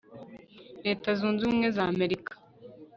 numva umutipe aratangiye ngo reka nkutegere moto utahe dore burije